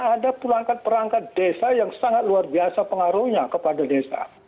ada perangkat perangkat desa yang sangat luar biasa pengaruhnya kepada desa